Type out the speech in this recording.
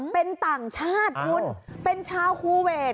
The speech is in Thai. เป็นต่างชาติคุณเป็นชาวคูเวท